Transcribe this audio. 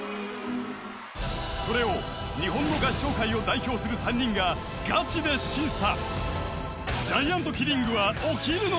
［それを日本の合唱界を代表する３人がガチで審査］